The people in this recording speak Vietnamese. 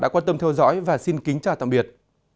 đã quan tâm theo dõi và xin kính chào tạm biệt